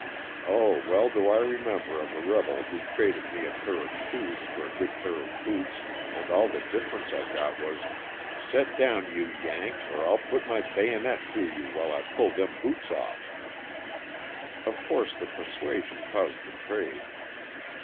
Oh, well do I remember of a rebel who traded me a pair of shoes for a good pair of boots, and all the difference I got was : ''Set down you *Yank,' or I'll put my bayonet through you, while I pull them boots off.'* Of course the persuasion caused the trade.